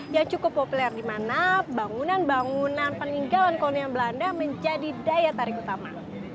yang cukup populer di mana bangunan bangunan peninggalan kolonial belanda menjadi daya tarik utama